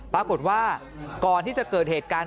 ปรากฏว่าก่อนที่จะเกิดเหตุการณ์